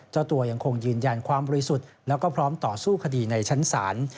เจ้าตัวยังคงยืนยันความบริสุทธิ์แล้วก็พร้อมต่อสู้คดีในชั้นศาล